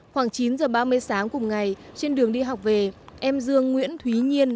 khoảng chín h ba mươi sáng cùng ngày trên đường đi học về em dương nguyễn thúy nhiên